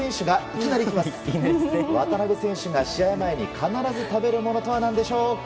渡邊選手が試合前に必ず食べるものとは何でしょうか。